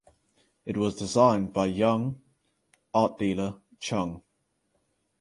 It was designed by Jung "Art Dealer" Chung.